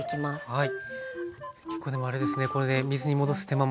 はい。